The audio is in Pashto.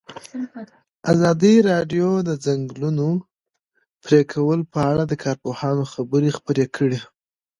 ازادي راډیو د د ځنګلونو پرېکول په اړه د کارپوهانو خبرې خپرې کړي.